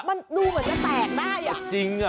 มันดูเหมือนจะแตกได้อ่ะ